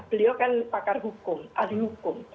beliau kan pakar hukum ahli hukum